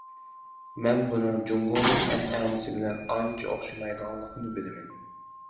مەن بۇنىڭ جۇڭگونىڭ ئەنئەنىسى بىلەن ئانچە ئوخشىمايدىغانلىقىنى بىلىمەن.